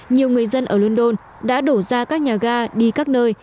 nhiều người dân ở london đã đổ ra các nhà ga đi các nơi